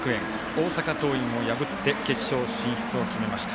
大阪桐蔭を破って決勝進出を決めました。